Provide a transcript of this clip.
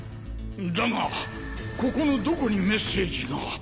だがここのどこにメッセージが。